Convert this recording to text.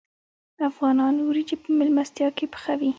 افغانان وریجې په میلمستیا کې پخوي.